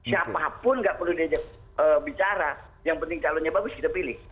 siapapun nggak perlu diajak bicara yang penting calonnya bagus kita pilih